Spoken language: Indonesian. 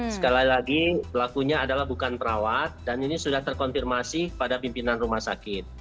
sekali lagi pelakunya adalah bukan perawat dan ini sudah terkonfirmasi pada pimpinan rumah sakit